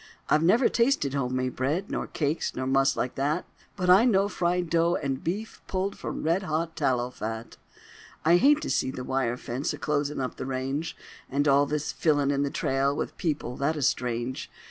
I've never tasted home bread, Nor cakes, nor muss like that; But I know fried dough and beef Pulled from red hot tallow fat. I hate to see the wire fence A closin' up the range; And all this fillin' in the trail With people that is strange.